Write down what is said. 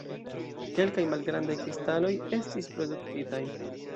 Kelkaj malgrandaj kristaloj estis produktitaj.